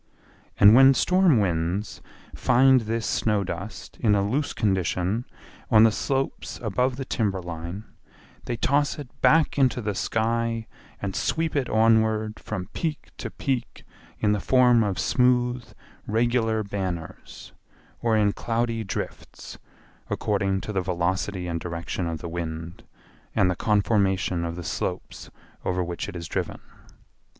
And when storm winds find this snow dust in a loose condition on the slopes above the timber line they toss it back into the sky and sweep it onward from peak to peak in the form of smooth regular banners, or in cloudy drifts, according to the velocity and direction of the wind, and the conformation of the slopes over which it is driven.